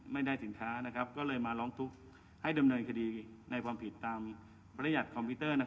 ไม่ได้สินค้าก็เลยมาร้องทุกข์ให้ดำเนินคดีในความผิดตามประหยัดคอมพิวเตอร์